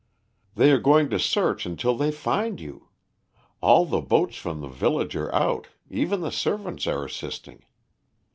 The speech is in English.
"They are going to search until they find you. All the boats from the village are out, even the servants are assisting.